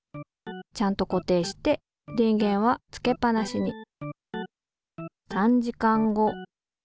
ちゃんと固定して電源はつけっぱなしにあれ？